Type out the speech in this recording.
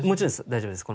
大丈夫です。